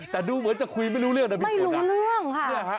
แต่ดูเหมือนจะคุยไม่รู้เรื่องนะมีคนรู้เรื่องค่ะ